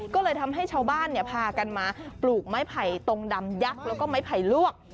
ก็เลยทำให้ชาวบ้านพากันมาปลูกไม้ไผ่ตรงดำยักษ์แล้วก็ไม้ไผ่ลวก